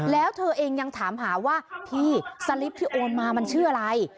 แล้วเธอเองยังถามหาว่าพี่สลิปที่โอนมามันชื่ออะไร